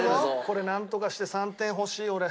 これなんとかして３点欲しい俺。